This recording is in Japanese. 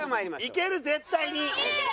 いける絶対に！